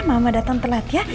mama datang telat ya